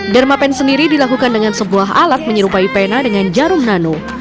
derma pen sendiri dilakukan dengan sebuah alat menyerupai pena dengan jarum nano